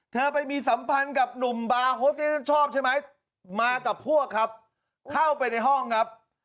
เธอไปมีสัมพันธ์กับหนุ่มบาร์โฮสที่ท่านชอบใช่ไหมมากับพวกครับเข้าไปในห้องครับ